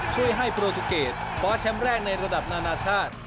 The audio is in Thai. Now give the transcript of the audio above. ช่วยให้โปรตูเกตคว้าแชมป์แรกในระดับนานาชาติ